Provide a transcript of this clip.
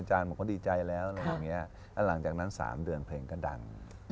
อาจารย์ผมก็ดีใจแล้วแล้วหลังจากนั้น๓เดือนเพลงก็ดัง